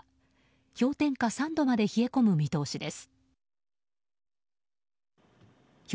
氷点下３度まで冷え込む見通しです。